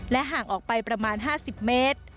ห่างออกไปประมาณ๕๐เมตร